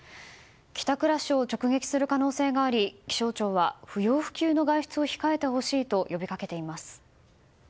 帰宅ラッシュを直撃する可能性があり気象庁は不要不急の外出を控えてほしいと呼び掛けています。